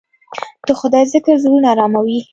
د خدای ذکر زړونه اراموي.